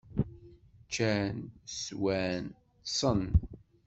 Ččan, swan, ṭṭsen.